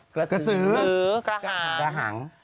กระสือกระหาง